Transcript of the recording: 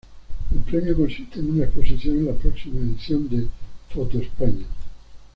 El premio consiste en una exposición en la próxima edición de Photoespaña.